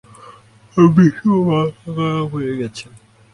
বিশু মাথা খারাপ হয়ে গেছে!